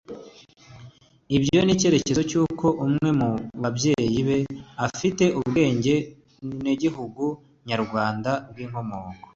Ibyo ni icyemezo cy’uko umwe mu babyeyi be afite ubwenegihugu nyarwanda bw’inkomoko